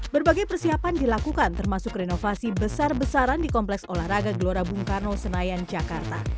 berbagai persiapan dilakukan termasuk renovasi besar besaran di kompleks olahraga gelora bung karno senayan jakarta